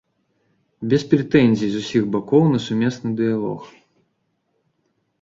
Без прэтэнзій з усіх бакоў на сумесны дыялог.